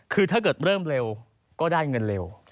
คือถ้าเกิดเริ่มเร็วก็ได้เงินเร็ว